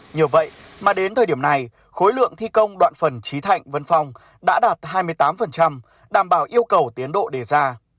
nhờ vậy mà đến thời điểm này khối lượng thi công đoạn phần trí thạnh vân phong đã đạt hai mươi tám đảm bảo yêu cầu tiến độ đề ra